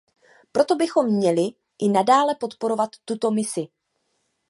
Proto bychom měli i nadále podporovat tuto misi.